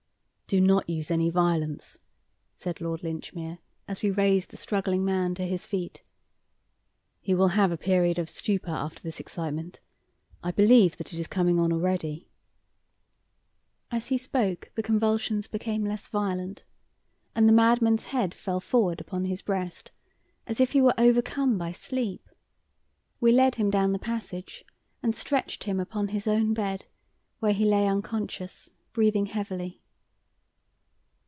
"Do not use any violence!" said Lord Linchmere, as we raised the struggling man to his feet. "He will have a period of stupor after this excitement. I believe that it is coming on already." As he spoke the convulsions became less violent, and the madman's head fell forward upon his breast, as if he were overcome by sleep. We led him down the passage and stretched him upon his own bed, where he lay unconscious, breathing heavily.